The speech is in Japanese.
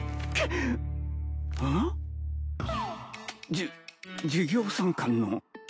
じゅ授業参観の。